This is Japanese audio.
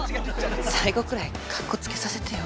最後くらいかっこつけさせてよ。